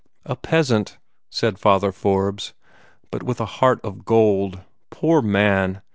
"A peasant," said Father Forbes, "but with a heart of gold. Poor man!